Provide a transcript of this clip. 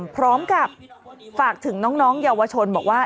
พร้อมกับฝากถึงน้องเยาวชนบอกว่า